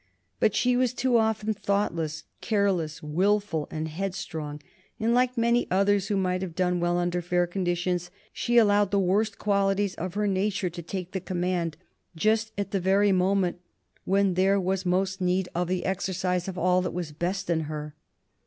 But she was too often thoughtless, careless, wilful, and headstrong, and, like many others who might have done well under fair conditions, she allowed the worst qualities of her nature to take the command just at the very moment when there was most need for the exercise of all that was best in her.